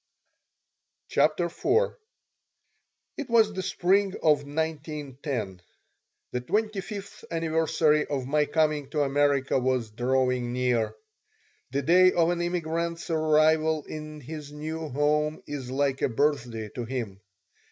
CHAPTER IV IT was the spring of 1910. The twenty fifth anniversary of my coming to America was drawing near. The day of an immigrant's arrival in his new home is like a birthday to him.